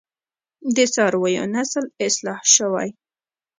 د څارویو نسل اصلاح شوی؟